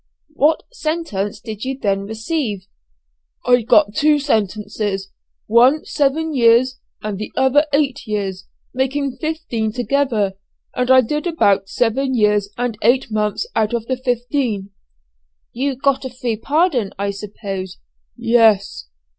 "What sentence did you then receive?" "I got two sentences, one seven years and the other eight years, making fifteen together, and I did about seven years and eight months out of the fifteen years. "You got a free pardon, I suppose?" "Yes."